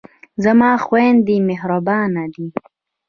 زما خویندې مهربانه دي.